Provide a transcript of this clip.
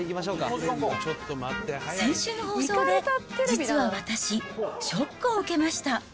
先週の放送で実は私、ショックを受けました。